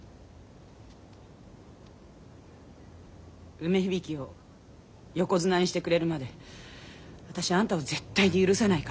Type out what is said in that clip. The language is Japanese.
梅響を横綱にしてくれるまで私あんたを絶対に許さないから。